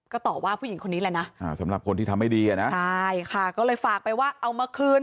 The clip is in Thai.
ก็ต่อว่าผู้หญิงคนนี้แหละนะสำหรับคนที่ทำไม่ดีอ่ะนะใช่ค่ะก็เลยฝากไปว่าเอามาคืน